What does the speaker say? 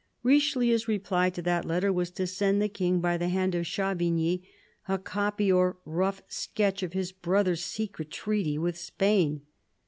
Richelieu's reply to that letter was to send the King, by the hand of Chavigny, a copy or rough sketch of his brother's secret treaty with Spain.